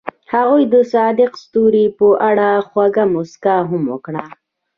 هغې د صادق ستوري په اړه خوږه موسکا هم وکړه.